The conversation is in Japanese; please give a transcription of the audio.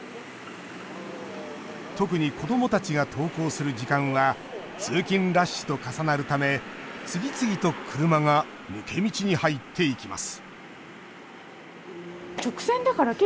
特に子どもたちが登校する時間は通勤ラッシュと重なるため次々と車が抜け道に入っていきます